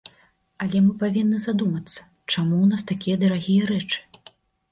Але мы павінны задумацца, чаму ў нас такія дарагія рэчы.